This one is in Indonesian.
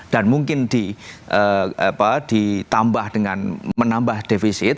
dan mungkin ditambah dengan menambah defisit